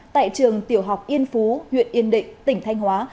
tại trường tiểu học yên phú huyện yên định tỉnh thanh hóa